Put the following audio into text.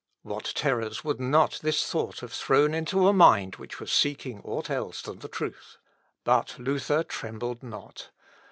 What terrors would not this thought have thrown into a mind which was seeking aught else than the truth! But Luther trembled not!